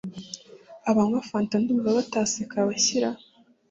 Abanywa Fanta ndumva bataseka abashyira